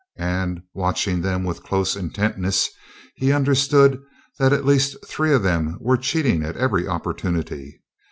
And, watching them with close intentness, he understood that at least three of them were cheating at every opportunity.